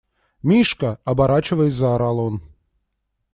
– Мишка! – оборачиваясь, заорал он.